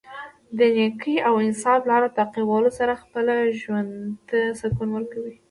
د نېکۍ او انصاف لار تعقیبولو سره خپله ژوند ته سکون ورکوي.